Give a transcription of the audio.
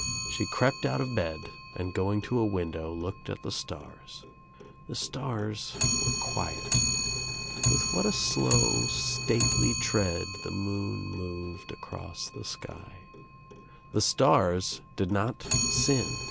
She crept out of bed and going to a window looked at the stars. The stars were quiet. With what a slow stately tread the moon moved across the sky. The stars did not sin.